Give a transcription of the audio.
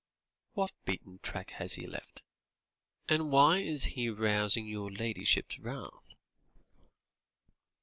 "What beaten track has he left? and why is he rousing your ladyship's wrath?"